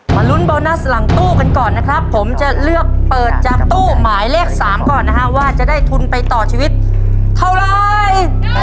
ลุ้นโบนัสหลังตู้กันก่อนนะครับผมจะเลือกเปิดจากตู้หมายเลข๓ก่อนนะฮะว่าจะได้ทุนไปต่อชีวิตเท่าไร